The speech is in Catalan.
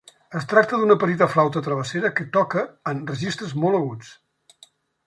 Es tracta d'una petita flauta travessera que toca en registres molt aguts.